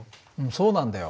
そうなんだよ。